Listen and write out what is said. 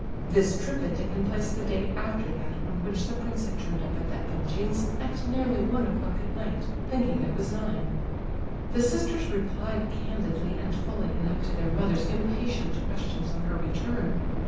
(This trip had taken place the day after that on which the prince had turned up at the Epanchins at nearly one o'clock at night, thinking it was nine.) The sisters replied candidly and fully enough to their mother's impatient questions on her return.